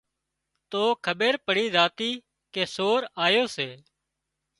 تو کٻير پڙي زاتي ڪي سور آيو سي